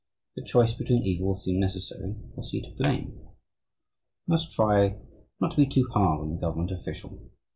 If a choice between evils seemed necessary, was he to blame? We must try not to be too hard on the government official.